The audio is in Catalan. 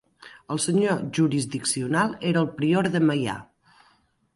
El senyor jurisdiccional era el prior de Meià.